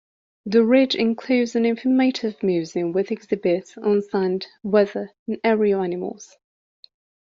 The Ridge includes an informative museum with exhibits on sand, weather, and area animals.